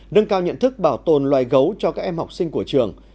nâng cao nhận thức bảo tồn loài gấu cho các em học sinh của trường